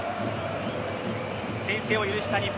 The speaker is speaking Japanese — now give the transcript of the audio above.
先制を許した日本。